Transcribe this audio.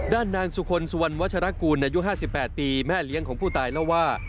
ด้านนางสุคลสวรรค์วัชรกรในยุ่ง๕๘ปีแม่เลี้ยงของผู้ตายแล้วว่า